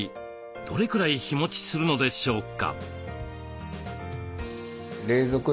どれくらい日もちするのでしょうか？